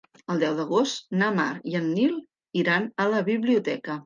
El deu d'agost na Mar i en Nil iran a la biblioteca.